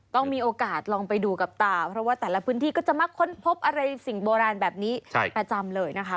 ต้องมีโอกาสลองไปดูกับตาเพราะว่าแต่ละพื้นที่ก็จะมาค้นพบอะไรสิ่งโบราณแบบนี้ประจำเลยนะคะ